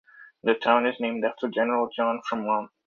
The town is named after General John Fremont.